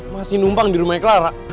masih numpang di rumahnya clara